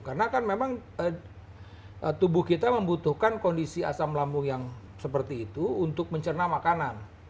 karena kan memang tubuh kita membutuhkan kondisi asam lambung yang seperti itu untuk mencerna makanan